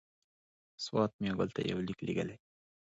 سوات میاګل ته یو لیک لېږلی.